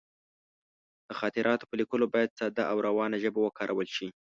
د خاطراتو په لیکلو کې باید ساده او روانه ژبه وکارول شي.